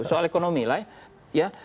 soal ekonomi lah ya